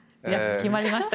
決まりました。